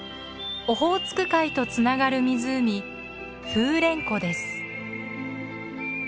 オホーツク海とつながる湖風蓮湖です。